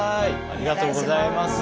ありがとうございます。